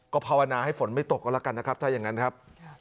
ภาวนาให้ฝนไม่ตกก็แล้วกันนะครับถ้าอย่างนั้นครับ